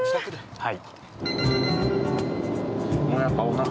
はい。